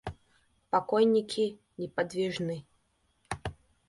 Покойники неподвижны.